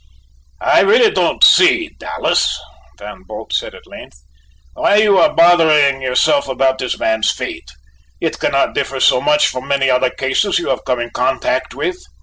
"I really don't see, Dallas," Van Bult said at length, "why you are bothering yourself about this man's fate. It cannot differ so much from many other cases you have come in contact with."